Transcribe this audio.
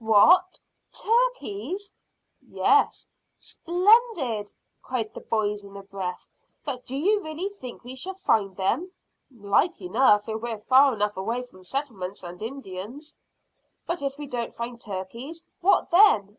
"What! Turkeys?" "Yes." "Splendid!" cried the boys in a breath. "But do you really think we shall find them?" "Like enough; if we're far enough away from settlements and Indians." "But if we don't find turkeys, what then?"